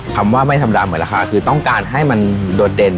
คำว่าไม่ธรรมดาเหมือนราคาคือต้องการให้มันโดดเด่น